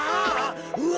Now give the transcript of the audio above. うわ。